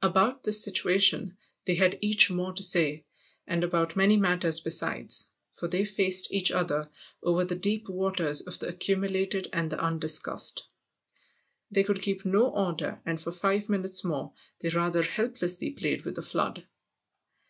About this situation they had each more to say, and about many matters besides, for they faced each other over the deep waters of the accumulated and the undiscussed. They could keep no order and for five minutes more they rather helplessly played with the flood.